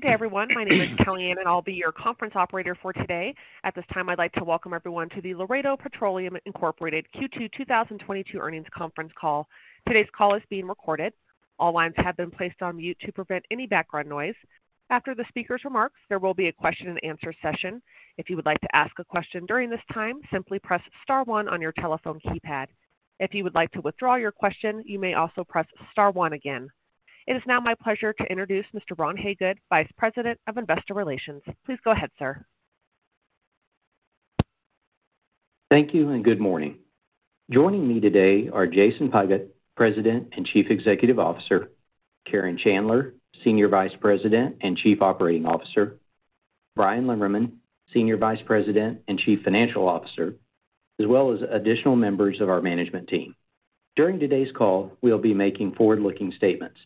Good day, everyone. My name is Kelly Ann, and I'll be your conference operator for today. At this time, I'd like to welcome everyone to the Laredo Petroleum, Inc. Q2 2022 earnings conference call. Today's call is being recorded. All lines have been placed on mute to prevent any background noise. After the speaker's remarks, there will be a question-and-answer session. If you would like to ask a question during this time, simply press star one on your telephone keypad. If you would like to withdraw your question, you may also press star one again. It is now my pleasure to introduce Mr. Ron Hagood, Vice President of Investor Relations. Please go ahead, sir. Thank you, and good morning. Joining me today are Jason Pigott, President and Chief Executive Officer, Karen Chandler, Senior Vice President and Chief Operating Officer, Bryan Lemmerman, Senior Vice President and Chief Financial Officer, as well as additional members of our management team. During today's call, we'll be making forward-looking statements.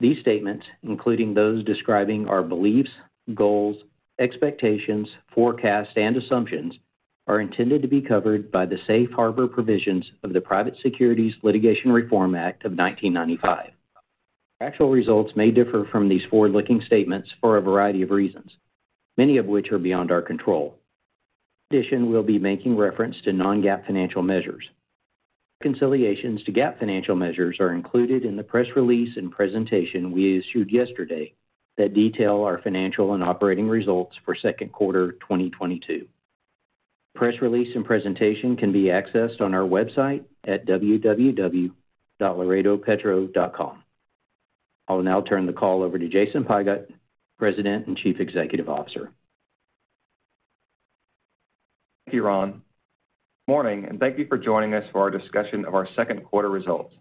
These statements, including those describing our beliefs, goals, expectations, forecasts, and assumptions, are intended to be covered by the safe harbor provisions of the Private Securities Litigation Reform Act of 1995. Actual results may differ from these forward-looking statements for a variety of reasons, many of which are beyond our control. In addition, we'll be making reference to Non-GAAP financial measures. Reconciliations to GAAP financial measures are included in the press release and presentation we issued yesterday that detail our financial and operating results for second quarter 2022. Press release and presentation can be accessed on our website at www.laredopetro.com. I'll now turn the call over to Jason Pigott, President and Chief Executive Officer. Thank you, Ron. Morning, and thank you for joining us for our discussion of our second quarter results.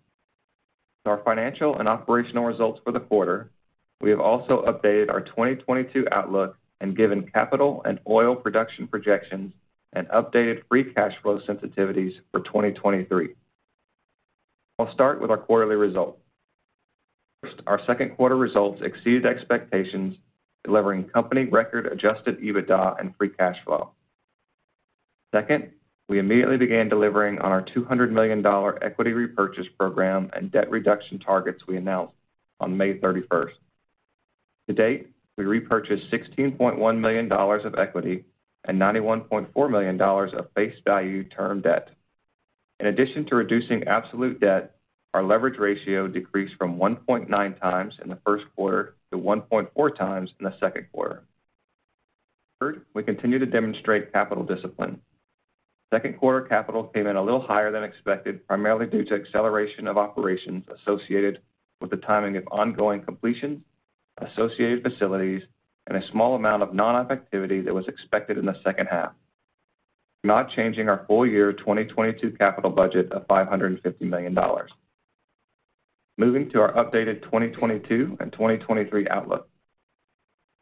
Our financial and operational results for the quarter, we have also updated our 2022 outlook and given capital and oil production projections and updated free cash flow sensitivities for 2023. I'll start with our quarterly results. First, our second quarter results exceeded expectations, delivering company record adjusted EBITDA and free cash flow. Second, we immediately began delivering on our $200 million equity repurchase program and debt reduction targets we announced on May 31st. To date, we repurchased $16.1 million of equity and $91.4 million of face value term debt. In addition to reducing absolute debt, our leverage ratio decreased from 1.9x in the first quarter to 1.4x in the second quarter. Third, we continue to demonstrate capital discipline. Second quarter capital came in a little higher than expected, primarily due to acceleration of operations associated with the timing of ongoing completions, associated facilities, and a small amount of non-op activity that was expected in the second half. Not changing our full year 2022 capital budget of $550 million. Moving to our updated 2022 and 2023 outlook.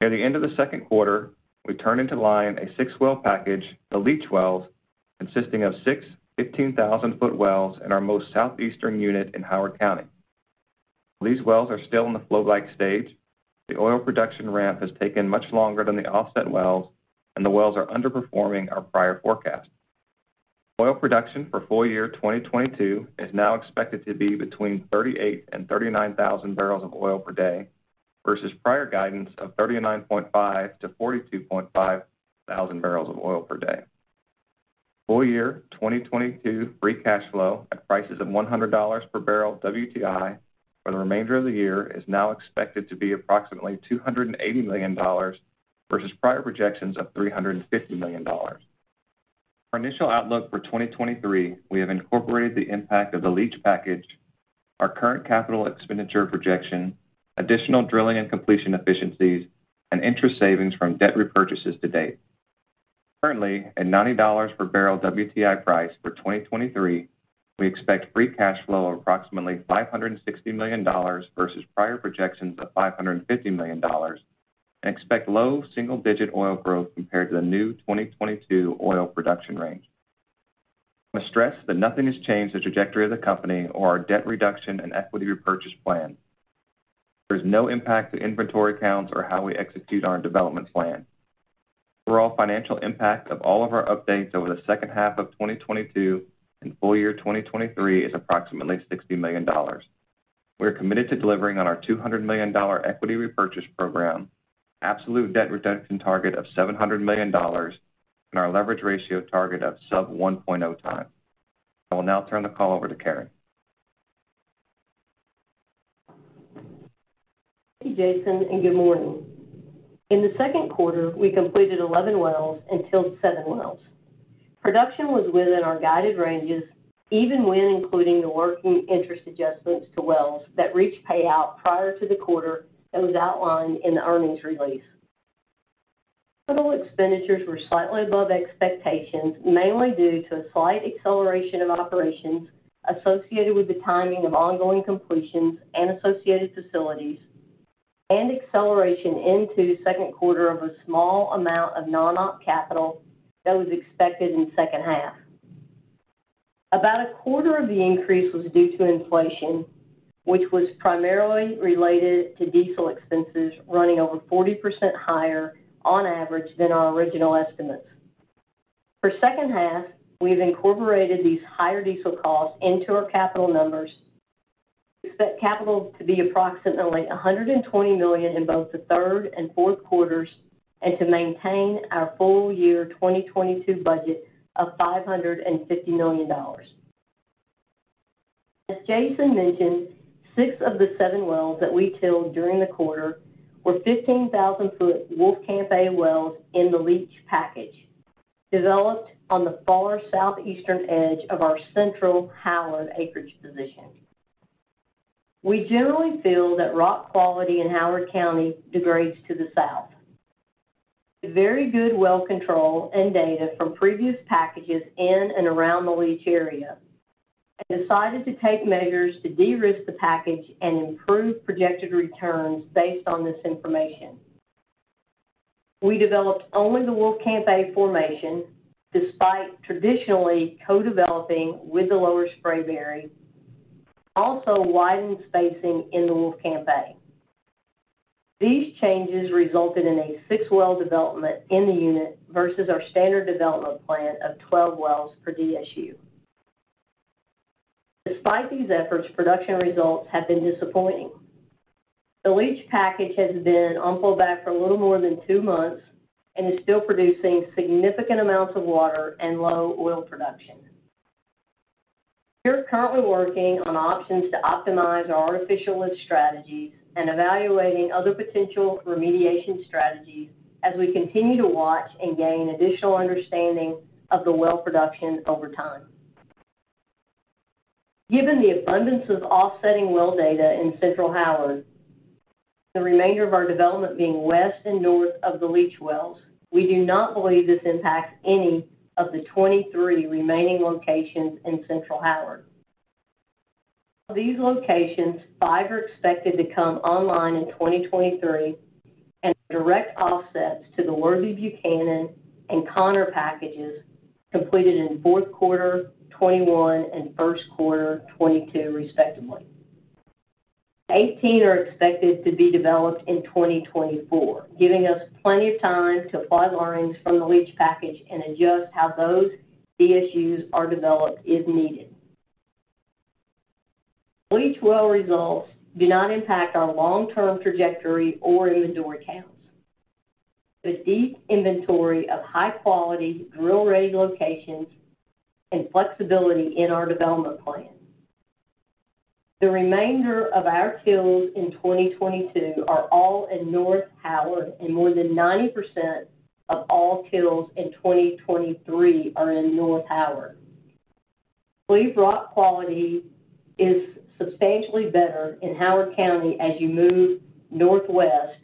Near the end of the second quarter, we turned in line a six-well package, the Leach wells, consisting of six 15,000-foot wells in our most southeastern unit in Howard County. These wells are still in the flowback stage. The oil production ramp has taken much longer than the offset wells, and the wells are underperforming our prior forecast. Oil production for full year 2022 is now expected to be between 38,000 barrels and 39,000 barrels of oil per day versus prior guidance of 39,500 barrels-42,500 barrels of oil per day. Full year 2022 free cash flow at prices of $100 per barrel WTI for the remainder of the year is now expected to be approximately $280 million versus prior projections of $350 million. Our initial outlook for 2023, we have incorporated the impact of the Leach package, our current capital expenditure projection, additional drilling and completion efficiencies, and interest savings from debt repurchases to date. Currently, at $90 per barrel WTI price for 2023, we expect free cash flow of approximately $560 million versus prior projections of $550 million and expect low single-digit% oil growth compared to the new 2022 oil production range. I stress that nothing has changed the trajectory of the company or our debt reduction and equity repurchase plan. There's no impact to inventory counts or how we execute our development plan. The overall financial impact of all of our updates over the second half of 2022 and full year 2023 is approximately $60 million. We are committed to delivering on our $200 million dollar equity repurchase program, absolute debt reduction target of $700 million, and our leverage ratio target of sub 1.0x. I will now turn the call over to Karen. Thank you, Jason, and good morning. In the second quarter, we completed 11 wells and tied 7 wells. Production was within our guided ranges, even when including the working interest adjustments to wells that reached payout prior to the quarter that was outlined in the earnings release. Total expenditures were slightly above expectations, mainly due to a slight acceleration of operations associated with the timing of ongoing completions and associated facilities and acceleration into the second quarter of a small amount of non-op capital that was expected in second half. About a quarter of the increase was due to inflation, which was primarily related to diesel expenses running over 40% higher on average than our original estimates. For second half, we've incorporated these higher diesel costs into our capital numbers. We expect capital to be approximately $120 million in both the third and fourth quarters, and to maintain our full-year 2022 budget of $550 million. As Jason mentioned, six of the seven wells that we drilled during the quarter were 15,000-foot Wolfcamp A wells in the lease package, developed on the far southeastern edge of our central Howard acreage position. We generally feel that rock quality in Howard County degrades to the south. With very good well control and data from previous packages in and around the lease area, I decided to take measures to de-risk the package and improve projected returns based on this information. We developed only the Wolfcamp A formation, despite traditionally co-developing with the Lower Spraberry, also widened spacing in the Wolfcamp A. These changes resulted in a 6-well development in the unit versus our standard development plan of 12 wells per DSU. Despite these efforts, production results have been disappointing. The Leach package has been on pullback for a little more than 2 months and is still producing significant amounts of water and low oil production. We are currently working on options to optimize our artificial lift strategy and evaluating other potential remediation strategies as we continue to watch and gain additional understanding of the well production over time. Given the abundance of offsetting well data in Central Howard, the remainder of our development being west and north of the Leach wells, we do not believe this impacts any of the 23 remaining locations in Central Howard. Of these locations, five are expected to come online in 2023 and are direct offsets to the Worthy Buchanan and Connor packages completed in fourth quarter 2021 and first quarter 2022 respectively. Eighteen are expected to be developed in 2024, giving us plenty of time to apply learnings from the Leach package and adjust how those DSUs are developed if needed. Leach well results do not impact our long-term trajectory or inventory counts. The deep inventory of high-quality, drill-ready locations and flexibility in our development plan. The remainder of our wells in 2022 are all in North Howard, and more than 90% of all wells in 2023 are in North Howard. Believe rock quality is substantially better in Howard County as you move northwest,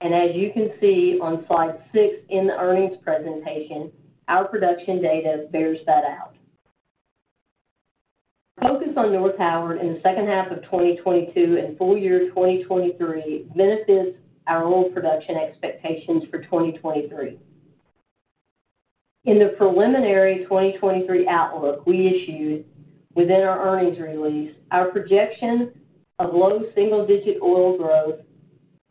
and as you can see on slide 6 in the earnings presentation, our production data bears that out. Focus on North Howard in the second half of 2022 and full year 2023 benefits our oil production expectations for 2023. In the preliminary 2023 outlook we issued within our earnings release, our projection of low single-digit oil growth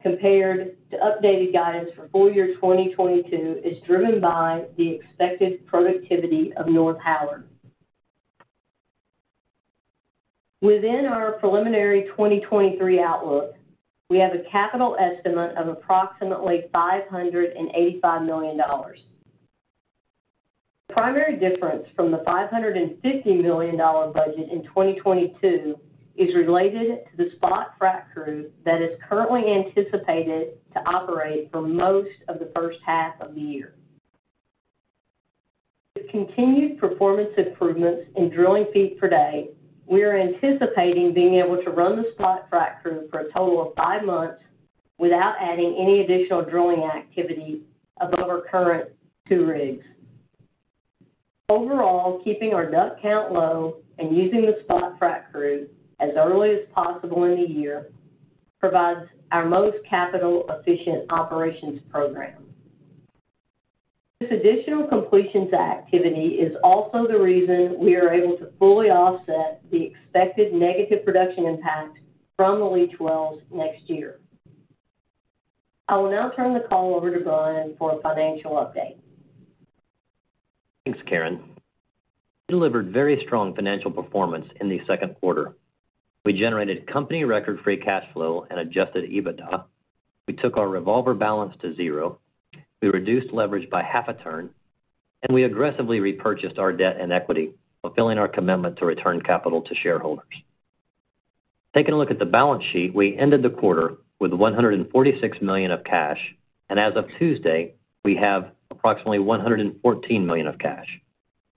compared to updated guidance for full year 2022 is driven by the expected productivity of North Howard. Within our preliminary 2023 outlook, we have a capital estimate of approximately $585 million. The primary difference from the $550 million budget in 2022 is related to the spot frac crew that is currently anticipated to operate for most of the first half of the year. With continued performance improvements in drilling feet per day, we are anticipating being able to run the spot frac crew for a total of five months without adding any additional drilling activity above our current two rigs. Overall, keeping our DUC count low and using the spot frac crew as early as possible in the year provides our most capital efficient operations program. This additional completions activity is also the reason we are able to fully offset the expected negative production impact from the Leach wells next year. I will now turn the call over to Bryan for a financial update. Thanks, Karen. We delivered very strong financial performance in the second quarter. We generated company record free cash flow and adjusted EBITDA. We took our revolver balance to zero. We reduced leverage by half a turn, and we aggressively repurchased our debt and equity, fulfilling our commitment to return capital to shareholders. Taking a look at the balance sheet, we ended the quarter with $146 million of cash. As of Tuesday, we have approximately $114 million of cash,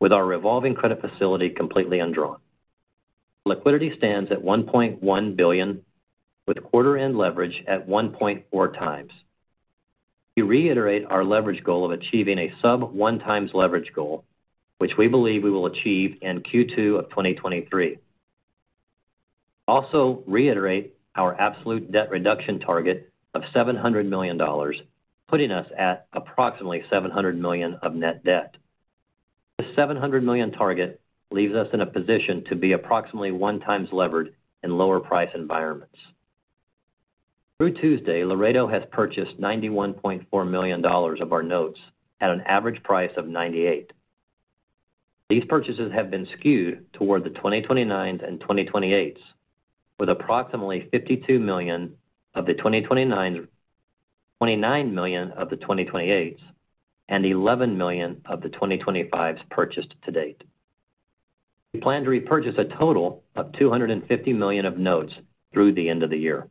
with our revolving credit facility completely undrawn. Liquidity stands at $1.1 billion, with quarter end leverage at 1.4x. We reiterate our leverage goal of achieving a sub 1x leverage goal, which we believe we will achieve in Q2 of 2023. Also reiterate our absolute debt reduction target of $700 million, putting us at approximately $700 million of net debt. This $700 million target leaves us in a position to be approximately 1x levered in lower price environments. Through Tuesday, Laredo has purchased $91.4 million of our notes at an average price of $98. These purchases have been skewed toward the 2029s and 2028s, with approximately $52 million of the 2029s, $29 million of the 2028s, and $11 million of the 2025s purchased to date. We plan to repurchase a total of $250 million of notes through the end of the year.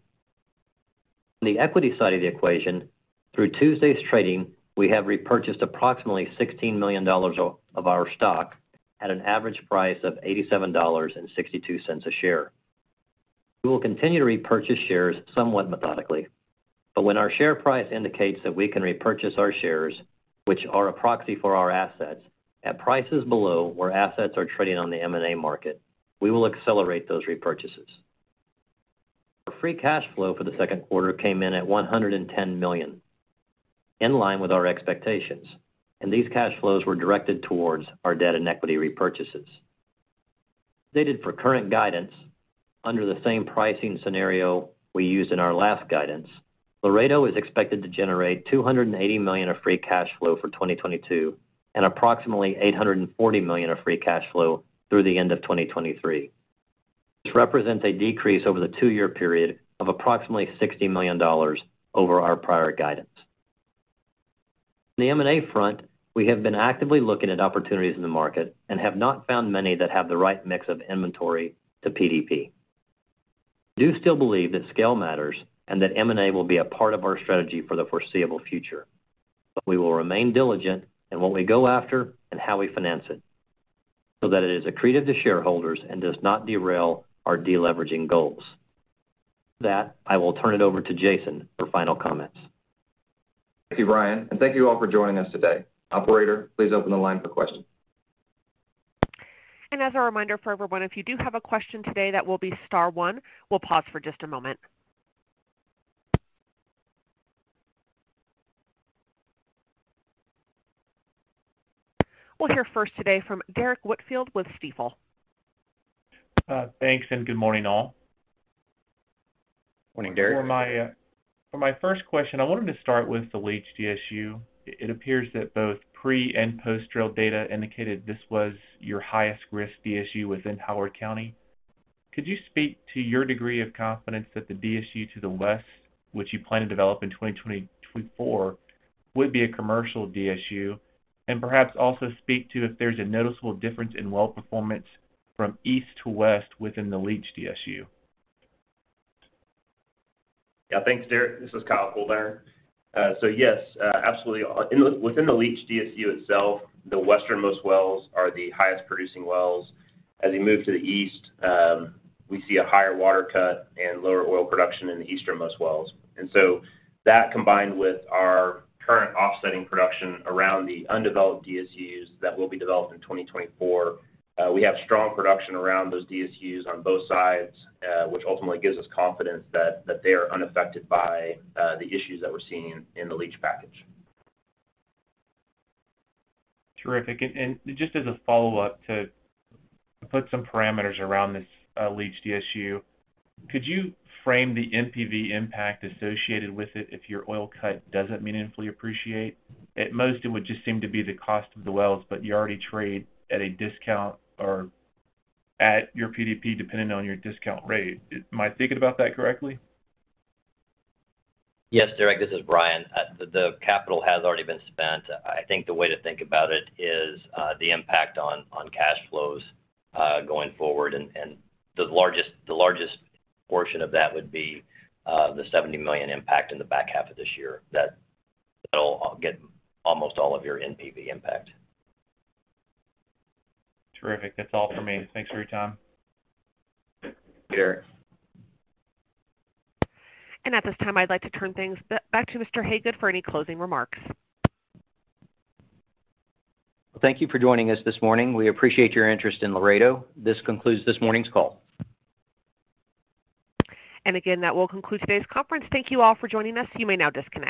On the equity side of the equation, through Tuesday's trading, we have repurchased approximately $16 million of our stock at an average price of $87.62 a share. We will continue to repurchase shares somewhat methodically, but when our share price indicates that we can repurchase our shares, which are a proxy for our assets, at prices below where assets are trading on the M&A market, we will accelerate those repurchases. Our free cash flow for the second quarter came in at $110 million, in line with our expectations, and these cash flows were directed towards our debt and equity repurchases. That is for current guidance, under the same pricing scenario we used in our last guidance, Laredo is expected to generate $280 million of free cash flow for 2022 and approximately $840 million of free cash flow through the end of 2023. This represents a decrease over the two-year period of approximately $60 million over our prior guidance. On the M&A front, we have been actively looking at opportunities in the market and have not found many that have the right mix of inventory to PDP. We do still believe that scale matters and that M&A will be a part of our strategy for the foreseeable future, but we will remain diligent in what we go after and how we finance it so that it is accretive to shareholders and does not derail our deleveraging goals. With that, I will turn it over to Jason for final comments. Thank you, Bryan, and thank you all for joining us today. Operator, please open the line for questions. As a reminder for everyone, if you do have a question today, that will be star one. We'll pause for just a moment. We'll hear first today from Derrick Whitfield with Stifel. Thanks, and good morning, all. Morning, Derrick. For my first question, I wanted to start with the Leach DSU. It appears that both pre and post-drill data indicated this was your highest risk DSU within Howard County. Could you speak to your degree of confidence that the DSU to the west, which you plan to develop in 2024, would be a commercial DSU? Perhaps also speak to if there's a noticeable difference in well performance from east to west within the Leach DSU. Yeah. Thanks, Derrick. This is Kyle Coldiron. So yes, absolutely. Within the Leach DSU itself, the westernmost wells are the highest producing wells. As you move to the east, we see a higher water cut and lower oil production in the easternmost wells. That combined with our current offsetting production around the undeveloped DSUs that will be developed in 2024, we have strong production around those DSUs on both sides, which ultimately gives us confidence that they are unaffected by the issues that we're seeing in the Leach package. Terrific. Just as a follow-up to put some parameters around this, Leach DSU, could you frame the NPV impact associated with it if your oil cut doesn't meaningfully appreciate? At most, it would just seem to be the cost of the wells, but you already trade at a discount or at your PDP depending on your discount rate. Am I thinking about that correctly? Yes, Derrick. This is Bryan. The capital has already been spent. I think the way to think about it is the impact on cash flows going forward. The largest portion of that would be the $70 million impact in the back half of this year that'll get almost all of your NPV impact. Terrific. That's all for me. Thanks for your time. Thank you, Derrick. At this time, I'd like to turn things back to Mr. Hagood for any closing remarks. Thank you for joining us this morning. We appreciate your interest in Laredo. This concludes this morning's call. again, that will conclude today's conference. Thank you all for joining us. You may now disconnect.